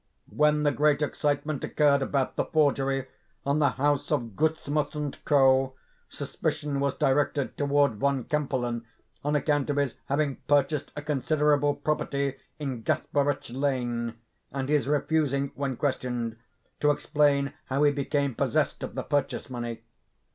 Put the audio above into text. When the great excitement occurred about the forgery on the house of Gutsmuth & Co., suspicion was directed toward Von Kempelen, on account of his having purchased a considerable property in Gasperitch Lane, and his refusing, when questioned, to explain how he became possessed of the purchase money.